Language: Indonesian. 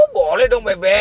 boleh dong beb